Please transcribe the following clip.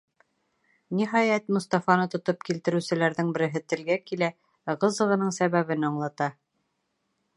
Ниһайәт, Мостафаны тотоп килтереүселәрҙең береһе телгә килә, ығы-зығының сәбәбен аңлата.